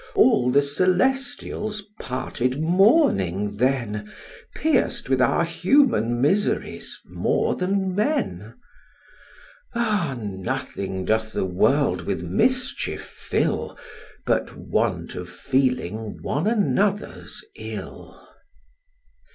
All the celestials parted mourning then, Pierc'd with our human miseries more than men: Ah, nothing doth the world with mischief fill, But want of feeling one another's ill!